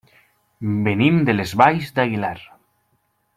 Venim de les Valls d'Aguilar.